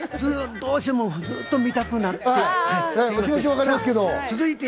どうしてもずっと見たくなって。